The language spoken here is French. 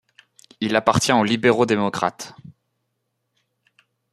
Il appartient aux Libéraux-démocrates.